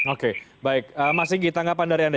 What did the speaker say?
oke baik masih ditanggapan dari anda